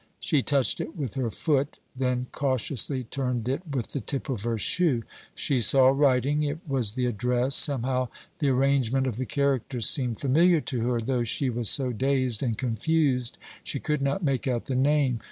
She touched it with her foot, then cautiously turned it with the tip of her shoe. She saw writing. It was the address. Somehow the arrangement of the characters seemed familiar to her, though she was so dazed and confused she could not make out the name.